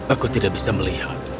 aku tidak bisa melihat